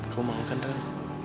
kau mau kan aurel